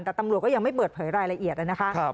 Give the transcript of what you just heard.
แต่ตำรวจก็ยังไม่เปิดเผยรายละเอียดนะคะ